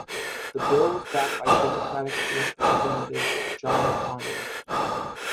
The bill was backed by Democratic Representative John Conyers.